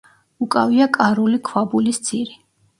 უკავია კარული ქვაბულის ძირი.